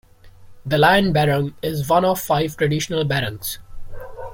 The lion barong is one of five traditional Barongs.